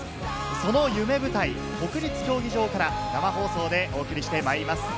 その夢舞台・国立競技場から生放送でお送りしてまいります。